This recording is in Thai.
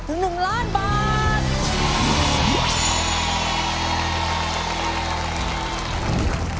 ถึง๑ล้านบาท